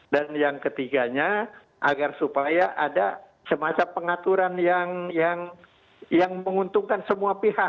dan yang ketiganya agar supaya ada semacam pengaturan yang menguntungkan semua pihak